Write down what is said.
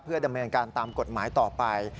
ดำเนินการตามกฎหมายต่อไป